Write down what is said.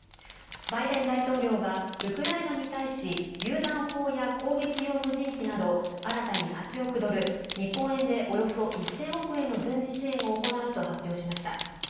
バイデン大統領はウクライナに対しりゅう弾砲や攻撃用無人機など新たに８億ドル日本円で、およそ１０００億円の軍事支援を行うと発表しました。